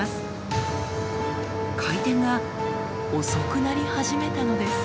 回転が遅くなり始めたのです。